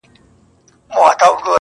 ټول کندهار کي يو لونگ دی، دی غواړي_